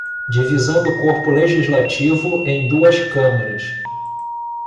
Divisão do corpo legislativo em duas câmaras.